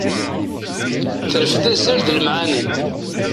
Terfed azal d lemɛani.